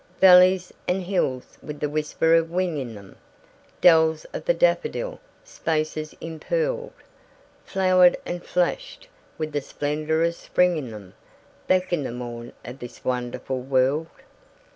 Valleys and hills, with the whisper of wing in them, Dells of the daffodil spaces impearled, Flowered and flashed with the splendour of spring in them, Back in the morn of this wonderful world.